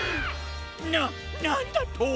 ななんだと！？